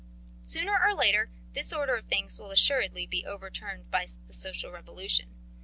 Sooner or later, this order of things will assuredly be overturned by the social revolution.